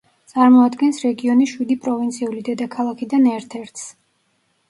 წარმოადგენს რეგიონის შვიდი პროვინციული დედაქალაქიდან ერთ-ერთს.